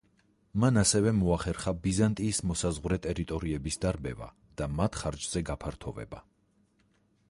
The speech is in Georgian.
მან ასევე მოახერხა ბიზანტიის მოსაზღვრე ტერიტორიების დარბევა და მათ ხარჯზე გაფართოვება.